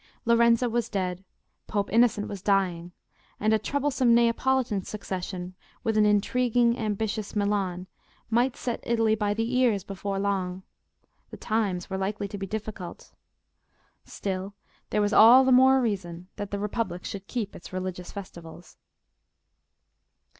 Lorenzo was dead, Pope Innocent was dying, and a troublesome Neapolitan succession, with an intriguing, ambitious Milan, might set Italy by the ears before long: the times were likely to be difficult. Still, there was all the more reason that the Republic should keep its religious festivals.